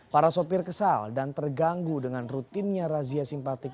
para sopir kesal dan terganggu dengan rutinnya razia simpatik